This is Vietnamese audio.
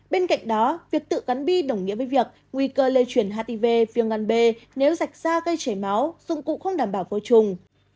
bên cạnh đó việc tự gắn bi đồng nghĩa với việc nguy cơ lây chuyển hiv phiêu ngăn b nếu rạch ra gây chảy máu dụng cụ không đảm bảo vô chùng